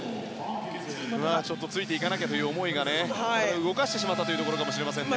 ついていかなきゃという思いが動かしてしまったというところかもしれませんね。